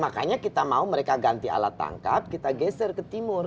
makanya kita mau mereka ganti alat tangkap kita geser ke timur